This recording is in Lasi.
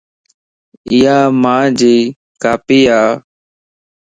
ايا مان جي کاپي ا